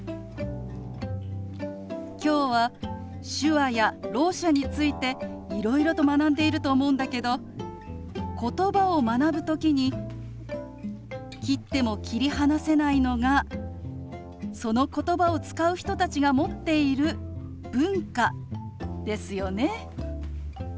今日は手話やろう者についていろいろと学んでいると思うんだけどことばを学ぶ時に切っても切り離せないのがそのことばを使う人たちが持っている文化ですよね。